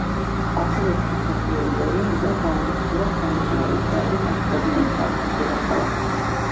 ასურეთის მსოფლიო იმპერიამ უკვე გაანადგურა სამარია, ისრაელის ათტომიანი სამეფოს დედაქალაქი.